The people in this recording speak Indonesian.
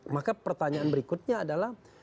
maka pertanyaan berikutnya adalah